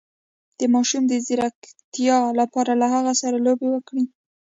د ماشوم د ځیرکتیا لپاره له هغه سره لوبې وکړئ